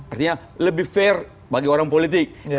artinya lebih fair bagi orang politik